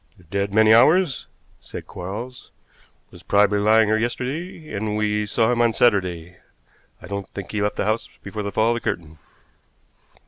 "Dead many hours," said Quarles; "was probably lying here yesterday, and we saw him on Saturday. I don't think he left the house before the fall of the curtain."